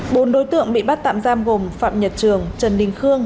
bốn đối tượng bị bắt tạm giam gồm phạm nhật trường trần đình khương